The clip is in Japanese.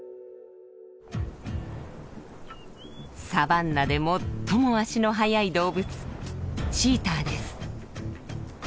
サバンナで最も足の速い動物チーターです。